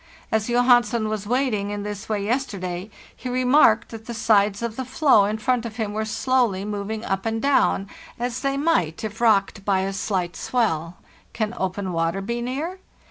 As Johansen was waiting in this way yes terday, he remarked that the sides of the floe in front of him were slowly moving up and down,* as they might if rocked by a slight swell. Can open water be near?